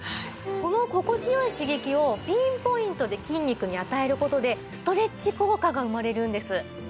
この心地良い刺激をピンポイントで筋肉に与える事でストレッチ効果が生まれるんです。